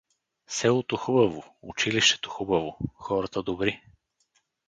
Селото хубаво, училището хубаво, хората добри.